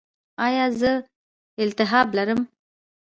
ایا زه التهاب لرم؟